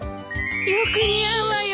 よく似合うわよ。